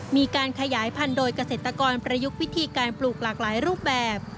มีการขยายพันธุ์โดยเกษตรกรประยุกต์วิธีการปลูกหลากหลายรูปแบบ